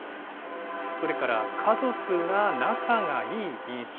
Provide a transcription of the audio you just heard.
それから家族が仲がいい印象。